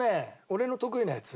俺の得意なやつ？